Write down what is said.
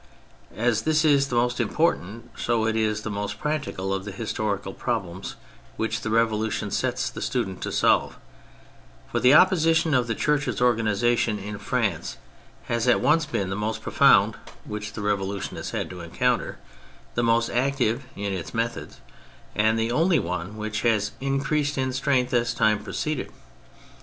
As this is the most important so it is the most practical of the historical problems which the Revolution sets the student to solve ; for the opposition of the Church's organisation in France has at once been the most profound which the Revolution has had to encounter, the most active in its methods, and the only one which has increased in strength as time proceeded.